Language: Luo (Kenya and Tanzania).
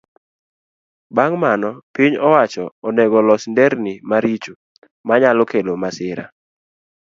Bang' mano, piny owacho onego los nderni maricho manyalo kelo masira.